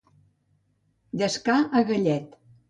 Llescar a gallet.